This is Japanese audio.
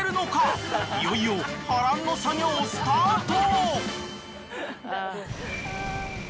［いよいよ波乱の作業スタート］